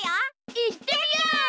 いってみよう！